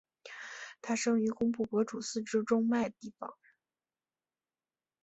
他生于工布博楚寺之中麦地方。